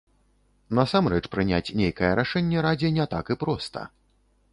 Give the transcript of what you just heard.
Насамрэч, прыняць нейкае рашэнне радзе не так і проста.